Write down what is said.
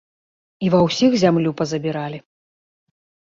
І ва ўсіх зямлю пазабіралі.